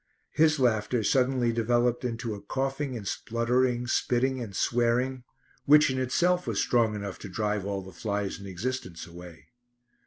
His laughter suddenly developed into a coughing and spluttering, spitting and swearing, which in itself was strong enough to drive all the flies in existence away.